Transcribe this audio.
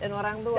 dan orang tua